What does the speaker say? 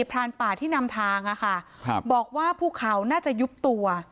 พรานป่าที่นำทางอะค่ะครับบอกว่าภูเขาน่าจะยุบตัว